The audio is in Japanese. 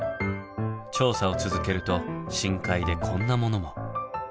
調査を続けると深海でこんなものも。